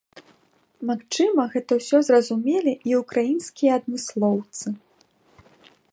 Магчыма, гэта ўсё зразумелі і ўкраінскія адмыслоўцы.